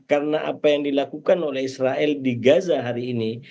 karena apa yang dilakukan oleh israel di gaza hari ini